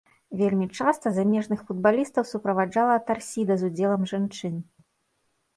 Вельмі часта замежных футбалістаў суправаджала тарсіда з удзелам жанчын.